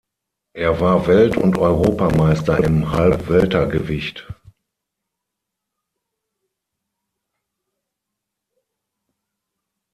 Er war Welt- und Europameister im Halbweltergewicht.